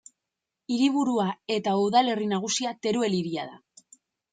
Hiriburua eta udalerri nagusia Teruel hiria da.